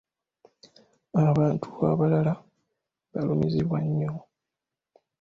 Abantu abalala baalumizibwa nnyo.